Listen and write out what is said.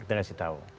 kita ngasih tau